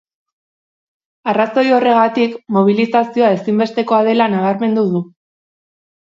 Arrazoi horregatik, mobilizazioa ezinbestekoa dela nabarmendu du.